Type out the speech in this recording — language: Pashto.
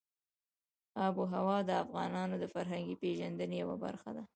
آب وهوا د افغانانو د فرهنګي پیژندنې یوه برخه ده.